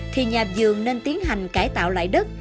thì nhà vườn nên tiến hành cải tạo lại đất